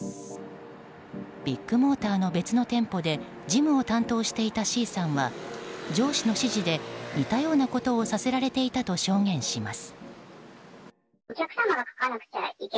ビッグモーターの別の店舗で事務を担当していたＣさんは上司の指示で似たようなことをさせられていたと証言します。